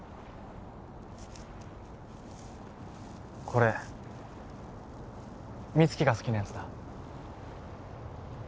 これ美月が好きなやつだ